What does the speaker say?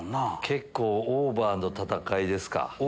結構オーバーの戦いですか。